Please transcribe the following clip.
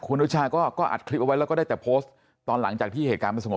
คุณอนุชาก็อัดคลิปเอาไว้แล้วก็ได้แต่โพสต์ตอนหลังจากที่เหตุการณ์มันสงบ